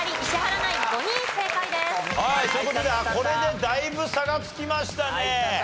はいという事でこれでだいぶ差がつきましたね。